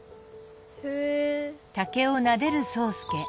へえ。